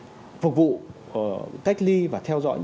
để phục vụ cách ly và theo dõi